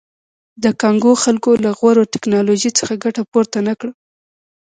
د کانګو خلکو له غوره ټکنالوژۍ څخه ګټه پورته نه کړه.